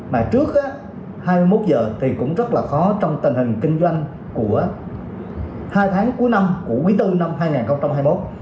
mà trước hai mươi một h thì cũng rất là khó trong tình hình kinh doanh của hai tháng cuối năm của quý bốn năm hai nghìn hai mươi một